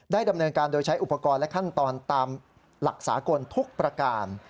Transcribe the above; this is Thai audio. ดำเนินการโดยใช้อุปกรณ์และขั้นตอนตามหลักสากลทุกประการ